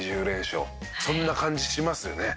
そんな感じしますよね。